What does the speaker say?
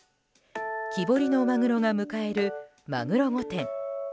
木彫りのマグロが迎えるマグロ御殿。